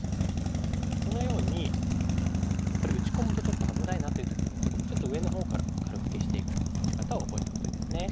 このようにやっぱり打ち込むとちょっと危ないなっていう時にはちょっと上のほうから軽く消していくという打ち方を覚えておくといいですね。